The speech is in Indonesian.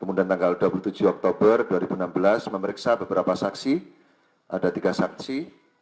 kemudian tanggal dua puluh tujuh oktober dua ribu enam belas memeriksa beberapa saksi ada tiga saksi